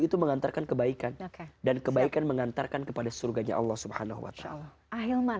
itu mengantarkan kebaikan dan kebaikan mengantarkan kepada surganya allah subhanahu wa ta'ala ahilman